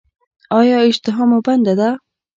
ایا اشتها مو بنده ده؟